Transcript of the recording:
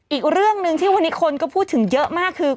อีกเรื่องหนึ่งที่วันนี้คนก็พูดถึงเยอะมากคือ